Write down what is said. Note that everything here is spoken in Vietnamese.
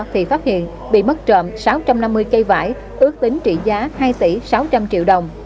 thì phát hiện bị mất trộm sáu trăm năm mươi cây vải ước tính trị giá hai tỷ sáu trăm linh triệu đồng